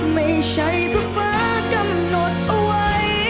ไม่ใช่เพราะฟ้ากำหนดเอาไว้